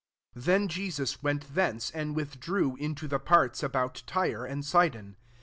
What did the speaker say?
21 Then Jesus went thence, and withdrew into the parts about Tyre and Sidon.